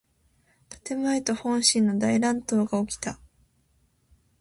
建前と本心の大乱闘がおきた。